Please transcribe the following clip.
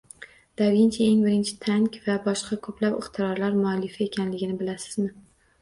Da Vinchi eng birinchi tank va boshqa ko‘plab ixtirolar muallifi ekanligini bilasizmi?